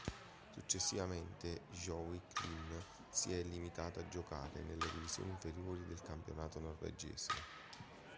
Successivamente, il Gjøvik-Lyn si è limitato a giocare nelle divisioni inferiori del campionato norvegese.